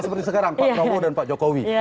seperti sekarang pak prabowo dan pak jokowi